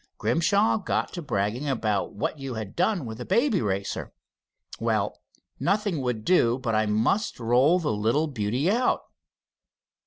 Grimshaw got to bragging about what you had done with the Baby Racer. Well, nothing would do but I must roll the little beauty out."